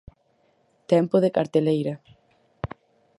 Tempo de carteleira.